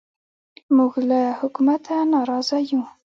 موږ له حکومته نارازه یو